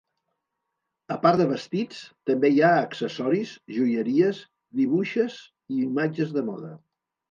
A part de vestits, també hi ha accessoris, joieries, dibuixes i imatges de moda.